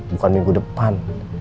bukan minggu depan